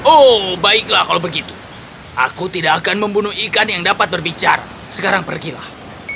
oh baiklah kalau begitu aku tidak akan membunuh ikan yang dapat berbicara sekarang pergilah